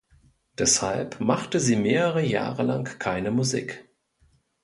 Deshalb machte sie mehrere Jahre lang keine Musik.